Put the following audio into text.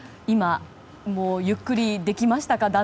今、ゆっくりできましたか？